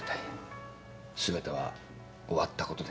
すべては終わったことで。